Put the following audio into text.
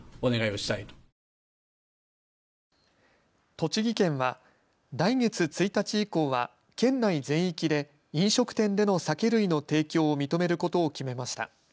栃木県は来月１日以降は県内全域で飲食店での酒類の提供を認めることを決めました。